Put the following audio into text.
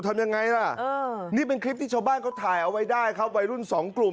รั้งนี้เป็นคลิปที่ชาวบ้านก็ถ่ายเอาไว้ได้ครับวัยรุ่นสองกลุ่ม